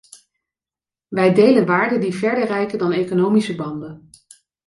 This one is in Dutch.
Wij delen waarden die verder reiken dan economische banden.